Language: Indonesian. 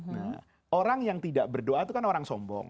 nah orang yang tidak berdoa itu kan orang sombong